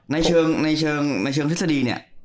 ในเชิงทฤษฎีเนี่ย